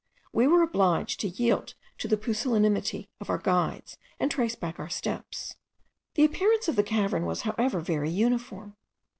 We were obliged to yield to the pusillanimity of our guides, and trace back our steps. The appearance of the cavern was however very uniform.